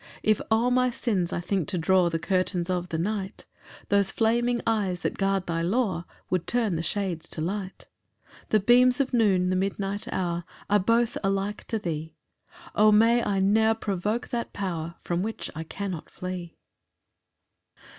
9 If o'er my sins I think to draw The curtains of the night, Those flaming eyes that guard thy law Would turn the shades to light. 10 The beams of noon, the midnight hour, Are both alike to thee: O may I ne'er provoke that power From which I cannot flee!